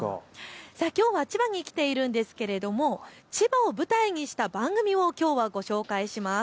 きょうは千葉に来ているんですが千葉を舞台にした番組をきょうはご紹介します。